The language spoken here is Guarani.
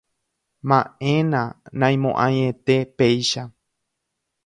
Ma'ẽna, naimo'ãiete péicha.